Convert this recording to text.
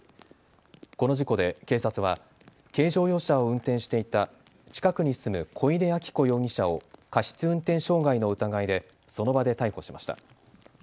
この事故で警察は軽乗用車を運転していた近くに住む小出あき子容疑者を過失運転傷害の疑いでその場で逮捕しました。